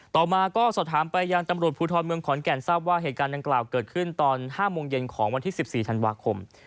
ต่อมาก็สอบถามไปยังตำรวจภูทรเมืองขอนแก่นทราบว่าเหตุการณ์ดังกล่าวเกิดขึ้นตอน๕โมงเย็นของวันที่๑๔ธันวาคม